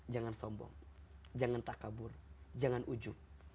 jangan sombong jangan takabur jangan ujub